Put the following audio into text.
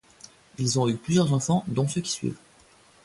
Ils ont eu plusieurs enfants dont ceux qui suivent.